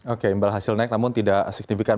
oke imbal hasil naik namun tidak signifikan